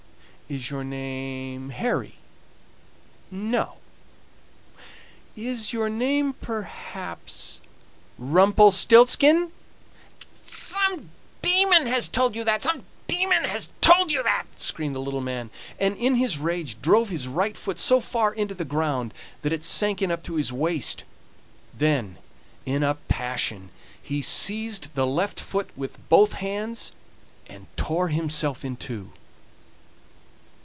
"Is your name Harry?" "No." "Is your name perhaps, Rumpelstiltzkin?" "Some demon has told you that! some demon has told you that!" screamed the little man, and in his rage drove his right foot so far into the ground that it sank in up to his waist; then in a passion he seized the left foot with both hands and tore himself in two.